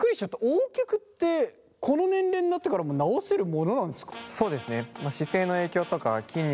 Ｏ脚ってこの年齢になってからも治せるものなんですか？